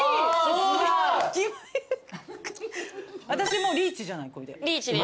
私もうリーチじゃないこれで。